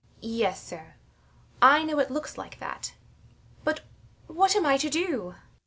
Yes, sir, I know it looks like that. But what am I to do?